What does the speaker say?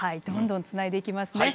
どんどんつないでいきます。